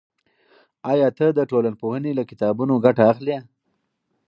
آیا ته د ټولنپوهنې له کتابونو ګټه اخلی؟